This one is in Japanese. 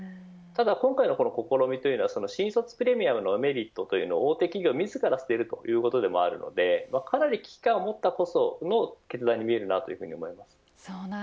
ただ、今回の試みというのは新卒プレミアムのメリットを自ら捨てるということでもあるのでかなり危機感を持ったからこその決断に見えます。